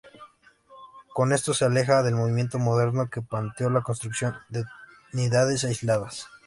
Con esto se aleja del movimiento moderno que planteó la construcción de unidades aisladas.